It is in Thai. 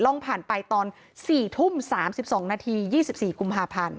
ร่องผ่านไปตอนสี่ทุ่มสามสิบสองนาทียี่สิบสี่กุมภาพันธ์